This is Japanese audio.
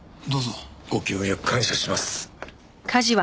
ご協力感謝します。